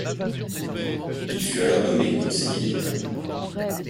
Il fut alors nommé conseiller d'État.